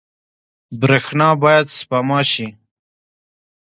برښنا باید سپما شي